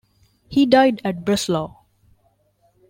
He died at Breslau.